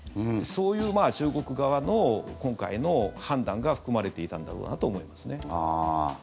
そういう中国側の今回の判断が含まれていたんだろうなと思いますね。